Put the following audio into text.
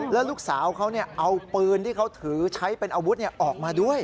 แล้วลูกสาวเขาเอาปืนที่เขาถือใช้เป็นอาวุธออกมาด้วย